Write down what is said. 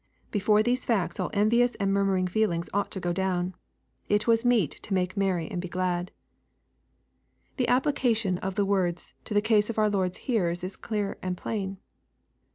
Before these facts all envious and murmuring feelings ought to go down. It was meet to make merry and be glad. LUKE, CHAP. XVI. 195 The application of t^e words to the case of our Lord's hearers is clear and plain.